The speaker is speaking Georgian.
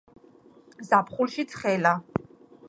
ზაფხულში ცხელა